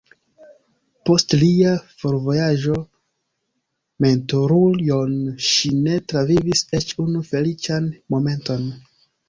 Post lia forvojaĝo Mentorujon ŝi ne travivis eĉ unu feliĉan momenton.